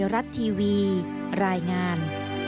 รับทราบ